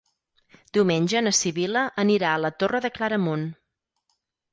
Diumenge na Sibil·la anirà a la Torre de Claramunt.